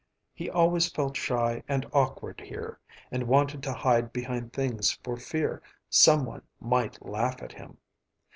He always felt shy and awkward here, and wanted to hide behind things for fear some one might laugh at him.